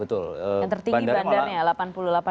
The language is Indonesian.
yang tertinggi bandarnya delapan puluh delapan sekian